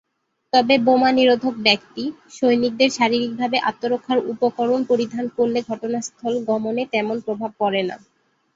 তবে বোমা নিরোধক ব্যক্তি, সৈনিকদের শারীরিকভাবে আত্মরক্ষার উপকরণ পরিধান করলে ঘটনাস্থল গমনে তেমন প্রভাব পড়ে না।